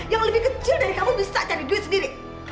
yang lebih kecil dari kamu bisa cari duit sendiri